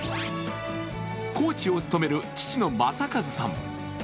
コーチを務める父の正和さん。